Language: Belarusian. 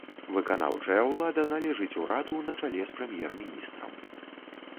Выканаўчая ўлада належыць ураду на чале з прэм'ер-міністрам.